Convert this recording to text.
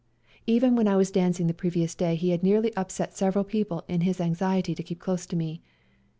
Even when I was dancing the previous day he had nearly upset several people in his anxiety to keep close to me.